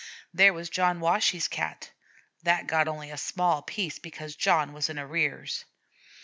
There was John Washee's Cat, that got only a small piece because John was in arrears.